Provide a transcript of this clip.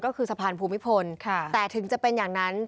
ก็คือสะพานภูมิพลแต่ถึงจะเป็นอย่างนั้น